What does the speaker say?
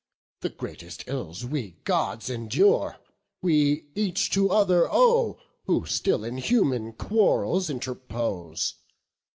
the greatest ills We Gods endure, we each to other owe Who still in human quarrels interpose.